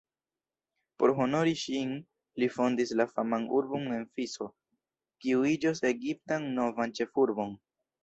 Por honori ŝin li fondis la faman urbon Memfiso, kiu iĝos Egiptan novan ĉefurbon.